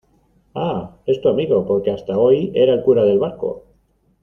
ah. es tu amigo porque hasta hoy era el cura del barco